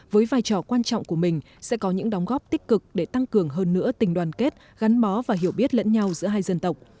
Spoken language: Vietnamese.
với vai trò quan trọng của mình sẽ có những đóng góp tích cực để tăng cường hơn nữa tình đoàn kết gắn bó và hiểu biết lẫn nhau giữa hai dân tộc